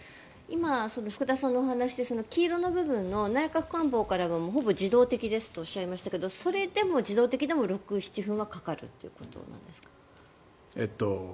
今、福田さんの話で黄色の部分の内閣官房からはほぼ自動的ですとおっしゃいましたがそれでも自動的でも６７分はかかるということなんですか？